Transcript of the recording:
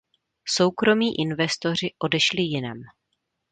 Soukromí investoři odešli jinam.